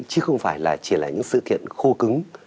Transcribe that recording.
chứ không phải chỉ là những sự kiện khô cứng